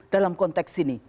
dalam konteks ini